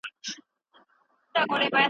که زمانه په پام کي ونه نیول سي څېړنه نیمګړې ده.